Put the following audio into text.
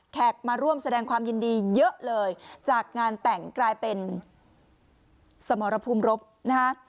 มาร่วมแสดงความยินดีเยอะเลยจากงานแต่งกลายเป็นสมรภูมิรบนะฮะ